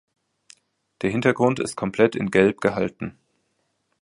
Der Hintergrund ist komplett in Gelb gehalten.